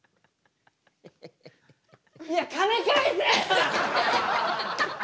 いや金返せ！